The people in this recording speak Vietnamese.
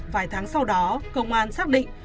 vài tháng sau đó công an xác định